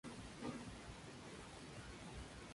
El informe concluyó que "hasta ahora no tenemos evidencia".